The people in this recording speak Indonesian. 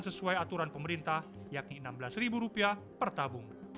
sesuai aturan pemerintah yakni rp enam belas per tabung